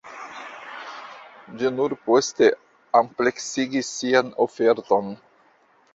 Ĝi nur poste ampleksigis sian oferton.